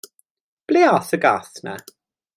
Ble a'th y gath 'na?